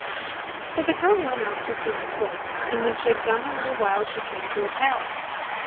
So the girl went off to seek a place, and when she had gone a little while, she came to a palace.